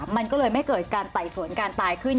มันก็เลยไม่เกิดการไต่สวนการตายขึ้น